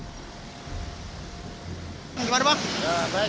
di jalan hasari gambir